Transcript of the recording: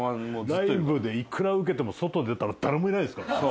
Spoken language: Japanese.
ライブでいくらウケても外出たら誰もいないですからね。